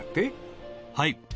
はい。